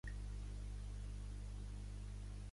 La vella no volia morir mai, per veure coses noves.